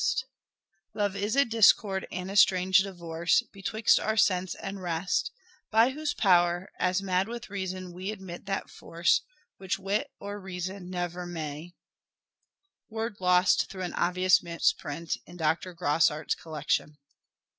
LYRIC POETRY OF EDWARD DE VERE 187 " Love is a discord and a strange divorce Betwixt our sense and rest ; by whose power, As mad with reason we admit that force Which wit or reason never may " (word lost through an obvious misprint in Dr. Grosart's collection).